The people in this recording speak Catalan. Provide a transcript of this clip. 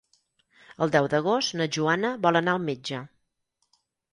El deu d'agost na Joana vol anar al metge.